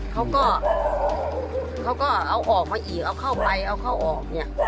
เขาก็เขาก็เอาออกมาอีกเอาเข้าไปเอาเข้าออกเนี่ย